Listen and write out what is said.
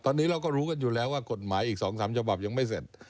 ตอนนี้เราก็รู้กันอยู่แล้วว่ากฎหมายอีก๒๓ฉบับยังไม่เสร็จ